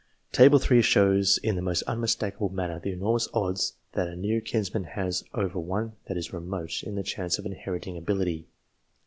Table III. shows in the most unmistakable manner the enormous odds that a near kinsman has over one that is remote, in the chance of inheriting ability.